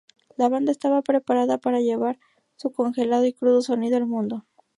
La banda estaba preparada para llevar su congelado y crudo sonido al mundo.